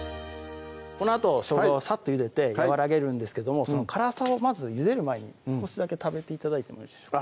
このあとしょうがをサッとゆでて和らげるんですけども辛さをまずゆでる前に少しだけ食べて頂いてもよろしいでしょうか